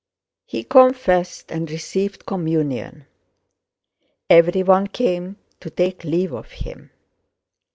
He confessed, and received communion: everyone came to take leave of him.